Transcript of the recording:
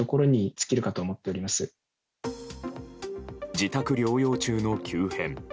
自宅療養中の急変。